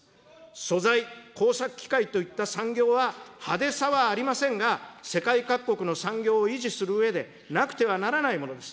素材、工作機械といった産業は派手さはありませんが、世界各国の産業を維持するうえで、なくてはならないものです。